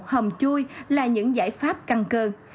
hầm chui là những giải pháp căng cơn